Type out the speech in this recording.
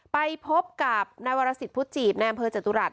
ไปพบกับนายวรสิตพุทธจีบในอำเภอจตุรัส